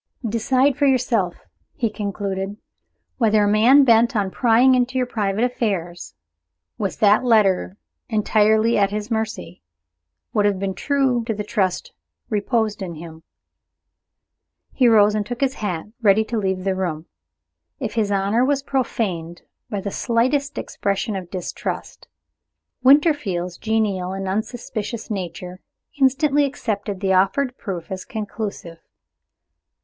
"Decide for yourself," he concluded, "whether a man bent on prying into your private affairs, with that letter entirely at his mercy, would have been true to the trust reposed in him." He rose and took his hat, ready to leave the room, if his honor was profaned by the slightest expression of distrust. Winterfield's genial and unsuspicious nature instantly accepted the offered proof as conclusive.